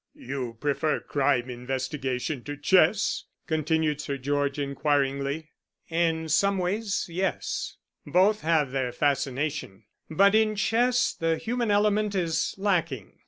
"You prefer crime investigation to chess?" continued Sir George inquiringly. "In some ways yes. Both have their fascination, but in chess the human element is lacking.